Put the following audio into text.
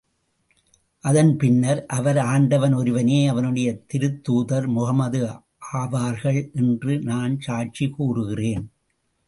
அதன் பின்னர், அவர், ஆண்டவன் ஒருவனே அவனுடைய திருத்தூதர் முஹம்மது ஆவார்கள் என்று நான் சாட்சி கூறுகிறேன்.